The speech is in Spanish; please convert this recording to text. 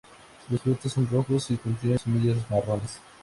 Los frutos son rojos y contienen semillas marrones.